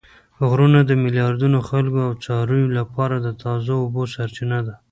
غرونه د میلیاردونو خلکو او څارویو لپاره د تازه اوبو سرچینه ده